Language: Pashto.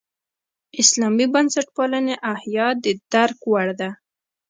اسلامي بنسټپالنې احیا د درک وړ ده.